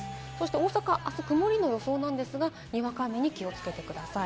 大阪はあすは曇りの予想ですが、にわか雨にお気をつけください。